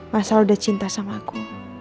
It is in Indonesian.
mas al udah cinta sama aku